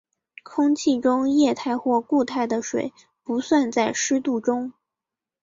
空气中液态或固态的水不算在湿度中。